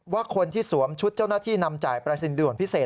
ว่าคนที่สวมชุดเจ้าหน้าที่นำจ่ายปรายศินด่วนพิเศษ